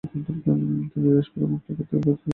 তিনি দাসপ্রথা মুক্ত করতে কাজ করেন এবং নীতি সংশোধিত করেন।